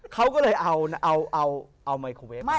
เขาก็เลยเอาไมโครเวฟมา